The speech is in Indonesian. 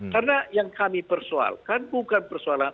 karena yang kami persoalkan bukan persoalan